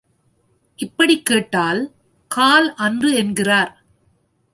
இப்படிக் கேட்டால், கால் அன்று என்கிறார்.